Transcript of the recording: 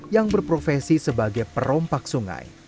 yang berprofesi sebagai perompak sungai